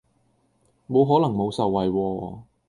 冇可能冇受惠喎